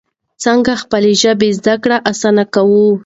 څنګه خپله ژبه زده کړه اسانه کوي؟